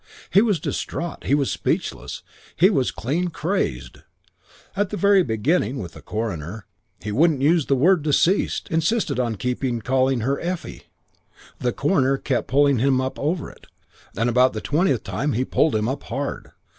"He was distraught. He was speechless. He was clean crazed. "At the very beginning, with the coroner, he wouldn't use the word 'the deceased.' Insisted on keeping calling her Effie. Coroner kept pulling him up over it, and about the twentieth time pulled him up hard.